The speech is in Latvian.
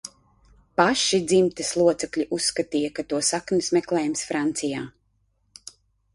Paši dzimtas locekļi uzskatīja, ka to saknes meklējamas Francijā.